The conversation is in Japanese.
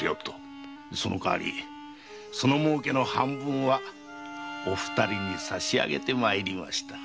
その代わりその儲けの半分はお二人に差し上げて参りました。